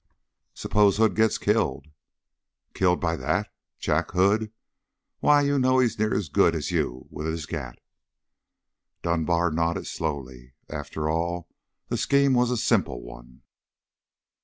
"Suppose Hood gets killed?" "Killed by that? Jack Hood? Why, you know he's near as good as you with his gat!" Dunbar nodded slowly. After all, the scheme was a simple one.